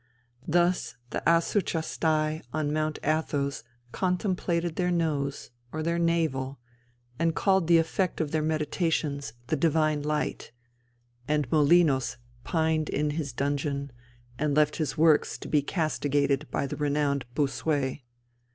Thus the '[Greek: Aesuchastai]' on Mount Athos contemplated their nose or their navel, and called the effect of their meditations "the divine light," and Molinos pined in his dungeon, and left his works to be castigated by the renowned Bossuet.